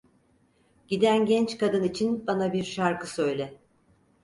Giden genç kadın için bana bir şarkı söyle!